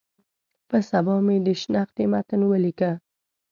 په سبا مې د شنختې متن ولیک.